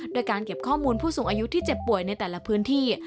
โดยการเก็บข้อมูลผู้สูงอายุที่เจ็บป่วยในแต่ละพื้นที่